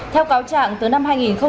theo cáo trạng từ năm hai nghìn một mươi